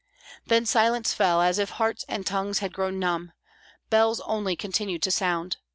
Then silence fell, as if hearts and tongues had grown numb; bells only continued to sound.